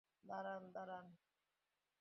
দাঁড়ান, দাঁড়ান!